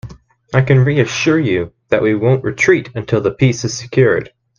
I can reassure you, that we won't retreat until the peace is secured.